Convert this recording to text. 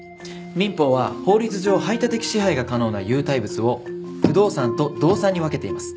民法は法律上排他的支配が可能な有体物を不動産と動産に分けています。